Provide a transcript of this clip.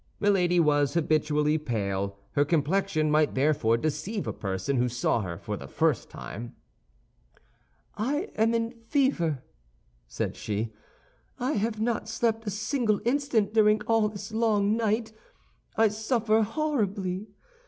Milady was habitually pale; her complexion might therefore deceive a person who saw her for the first time. "I am in a fever," said she; "I have not slept a single instant during all this long night. I suffer horribly.